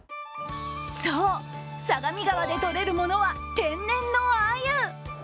そう、相模川でとれるものは天然のあゆ。